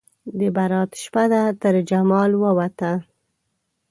د برات شپه ده ترجمال ووته